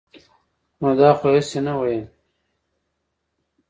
نو دا خو يې هسې نه وييل -